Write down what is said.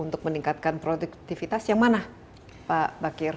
untuk meningkatkan produktivitas yang mana pak bakir